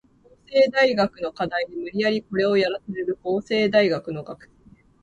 法政大学の課題で無理やりコレをやらされる法政大学の学生